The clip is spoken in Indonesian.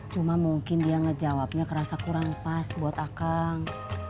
cuma mungkin dia ngejawabnya kerasa kurang pas buat akang